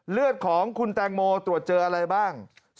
เลือดของคุณแตงโมตรวจเจออะไรบ้าง